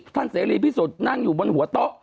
เสรีพิสุทธิ์นั่งอยู่บนหัวโต๊ะ